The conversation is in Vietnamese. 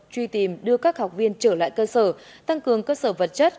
truy tìm đưa các học viên trở lại cơ sở tăng cường cơ sở vật chất